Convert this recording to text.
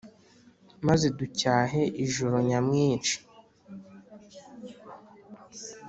maze ducyahe ijoro nyamwinshi,